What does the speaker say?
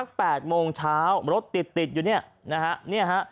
แปดโมงเช้ารถติดติดอยู่เนี่ยนะฮะเนี่ยฮะ